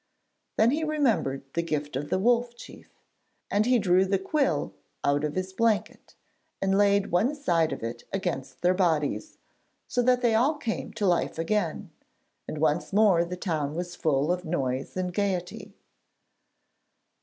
Then he remembered the gift of the Wolf Chief, and he drew the quill out of his blanket and laid one side of it against their bodies, so that they all came to life again, and once more the town was full of noise and gaiety.